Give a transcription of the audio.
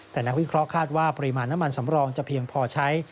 แต่นักวิเคราะห์คาดว่าปริมาณน้ำมันสำรองจะเพียงพอใช้